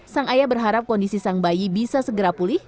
sang ayah berharap kondisi sang bayi bisa segera pulih